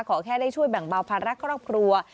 ขอแค่ได้ช่วยแบ่งเบาภาระครอบครัว